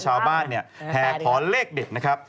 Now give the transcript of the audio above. ชาวบ้านเนี่ยแห่ขอเลขเด็ดนะครับ